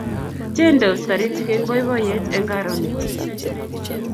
Tiendos Taritik eng boiboiyet eng karonet